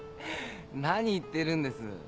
何言ってるんです？